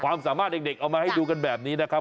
ความสามารถเด็กเอามาให้ดูกันแบบนี้นะครับ